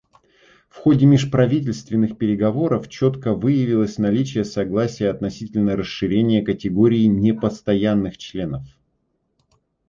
В ходе межправительственных переговоров четко выявилось наличие согласия относительно расширения категории непостоянных членов.